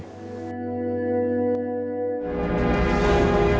semoga bppt bisa melakukan perkembangan ini